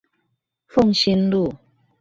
鳳新路